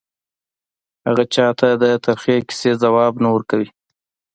هغه چا ته د ترخې کیسې ځواب نه ورکوي